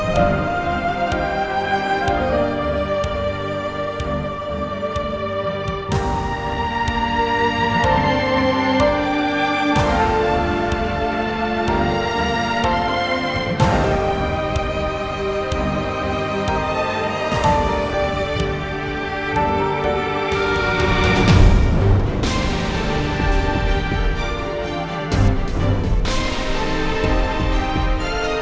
baik kita akan berjalan